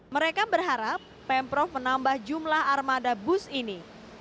mereka berharap pemprov menambah jumlah armada bus ini